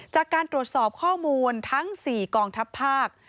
จากการตรวจสอบข้อมูลทั้ง๔กองทัพภาค